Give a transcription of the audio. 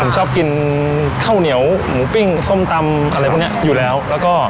ผมชอบกินข้าวเหนียวหมูปิ้งส้มตำอะไรพวกเนี้ยอยู่แล้วแล้วก็